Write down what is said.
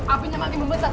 apinya makin membesar kang